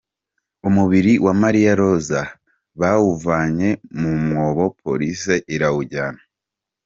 Umubiri wa Marie Rose bawuvanye mu mwobo Police irawujyana